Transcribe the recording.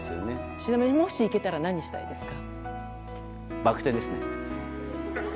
ちなみにもし行けたら何したいですか？